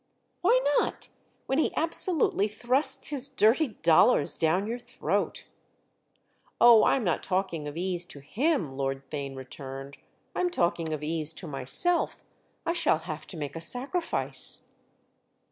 "Why not?—when he absolutely thrusts his dirty dollars down your throat." "Oh, I'm not talking of ease to him," Lord Theign returned—"I'm talking of ease to myself. I shall have to make a sacrifice."